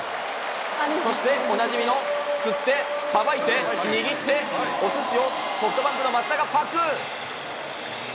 そしておなじみの釣ってさばいて握って、おすしをソフトバンクの松田がぱく。